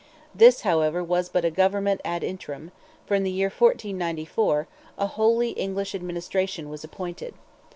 This, however, was but a government ad interim, for in the year 1494, a wholly English administration was appointed.